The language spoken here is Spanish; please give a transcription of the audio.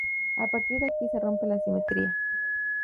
A partir de aquí se rompe la simetría.